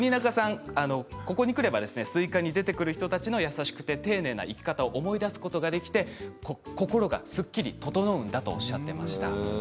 ここに来れば「すいか」に出てくる人たち、優しくて丁寧な生き方を思い出すことができて、心がすっきり整うんだとおっしゃっていました。